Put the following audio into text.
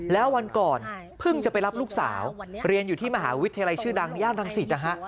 แล้ววันก่อนเพิ่งจะไปรับลูกสาวเรียนอยู่ที่มหาวิทยาลัยชื่อดังย่านรังสิตนะฮะ